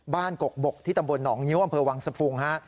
บ้านกกบกที่ตำบลหนองนิ้วอำเภอวังสภูมิฮะ